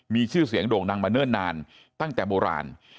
มีชื่อเสียงโด่งดังมาเนิ่นนานตั้งแต่โบราณ